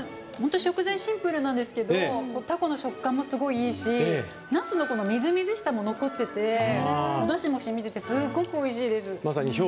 食材がシンプルなんですけどタコの食感もすごいいいですしナスのみずみずしさもあっておだしもしみててすごくおいしいです。